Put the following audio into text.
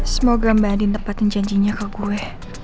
semoga mba adin nempatin janjinya ke gue